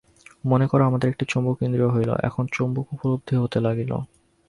মনে কর, আমাদের একটি চৌম্বক ইন্দ্রিয় হইল, তখন চৌম্বক উপলব্ধি হইতে লাগিল।